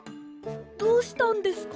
どうしたんですか？